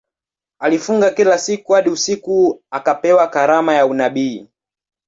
Alifunga kila siku hadi usiku akapewa karama ya unabii.